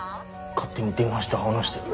勝手に電話して話してる。